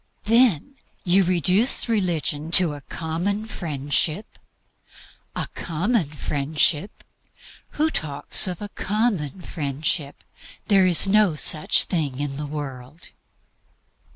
Then you reduce religion to a common Friendship? A common Friendship who talks of a common Friendship? There is no such thing in the world.